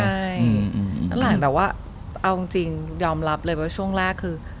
ใช่นั่นแหละแต่ว่าเอาจริงยอมรับเลยว่าช่วงแรกคือ